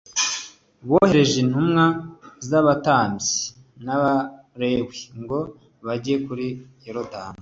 bohereje intumwa z’Abatambyi n’Abalewi ngo bajye kuri Yorodani